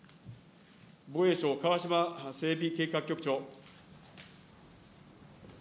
防衛省、川嶋整備計画局長。